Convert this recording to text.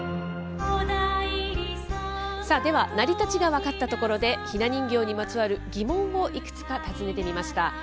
さあ、では成り立ちが分かったところで、ひな人形にまつわる、疑問をいくつか尋ねてみました。